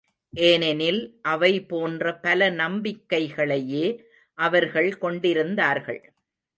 ஏனெனில் அவை போன்ற பல நம்பிக்கைகளையே அவர்கள் கொண்டிருந்தார்கள்.